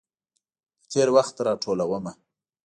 د تیروخت راټولومه